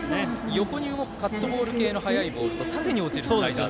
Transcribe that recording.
横に動くカットボール系の速いボールと縦に落ちるスライダー。